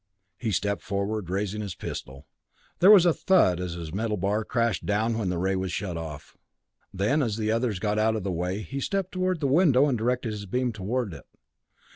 He stepped forward, raising his pistol. There was a thud as his metal bar crashed down when the ray was shut off. Then, as the others got out of the way, he stepped toward the window and directed his beam toward it.